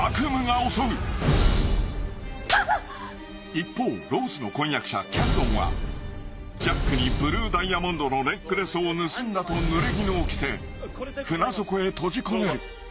［一方ローズの婚約者キャルドンはジャックにブルー・ダイヤモンドのネックレスを盗んだとぬれぎぬを着せ船底へ閉じ込める］